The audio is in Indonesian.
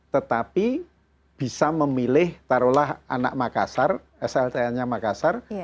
tetapi bisa memilih taruhlah anak makassar sltn nya makassar